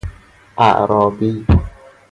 اعرابی